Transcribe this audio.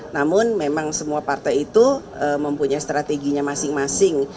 namun memang semua partai itu mempunyai strateginya masing masing